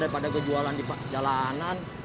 daripada gue jualan di jalanan